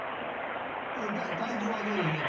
体調はどうですか？